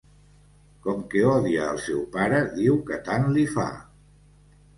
Com que odia al seu pare, diu que tant li fa.